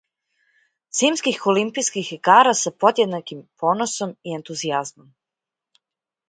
Зимских олимпијских игара са подједнаким поносом и ентузијазмом.